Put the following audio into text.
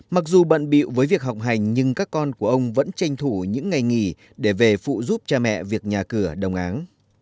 mặc dù bận biệu với việc học hành nhưng các con của ông vẫn tranh thủ những ngày nghỉ để về phụ giúp cha mẹ việc nhà cửa đồng áng